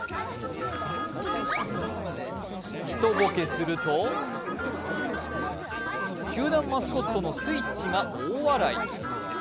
ひとボケすると球団マスコットのスイッチが大笑い。